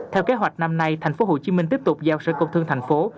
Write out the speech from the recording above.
theo kế hoạch năm nay thành phố hồ chí minh tiếp tục giao sở công thương thành phố